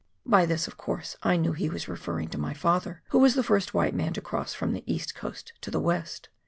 By this, of course, I knew he was referring to my father, who was the first white man to cross from the East Coast to the West.